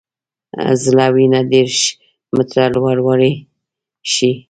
زړه وینه دېرش متره لوړولی شي.